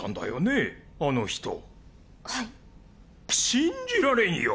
信じられんよ。